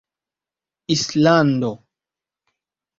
islando